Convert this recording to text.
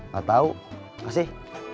gak tau kasih